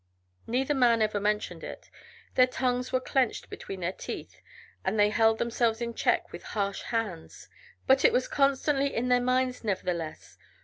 Neither man ever mentioned it their tongues were clenched between their teeth and they held themselves in check with harsh hands but it was constantly in their minds, nevertheless.